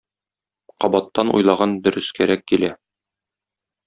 Кабаттан уйлаган дөрескәрәк килә.